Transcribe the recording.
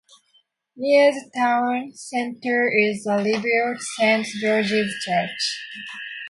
Near the town centre is the rebuilt Saint George's church.